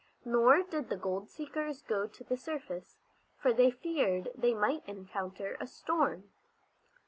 Nor did the gold seekers go to the surface, for they feared they might encounter a storm.